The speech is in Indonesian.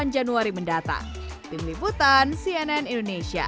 delapan januari mendatang tim liputan cnn indonesia